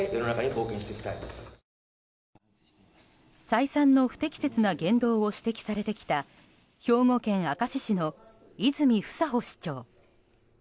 再三の不適切な言動を指摘されてきた兵庫県明石市の泉房穂市長。